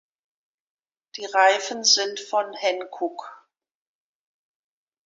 Die Reifen sind von Hankook.